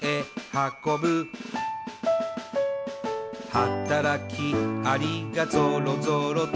「はたらきアリがぞろぞろと」